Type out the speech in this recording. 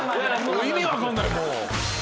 意味分かんないもう。